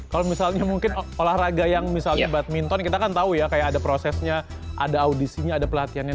kalau misalnya mungkin olahraga yang misalnya badminton kita kan tahu ya kayak ada prosesnya ada audisinya ada pelatihannya